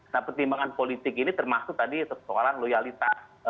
nah pertimbangan politik ini termasuk tadi persoalan loyalitas